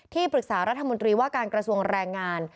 ปรึกษารัฐมนตรีว่าการกระทรวงแรงงาน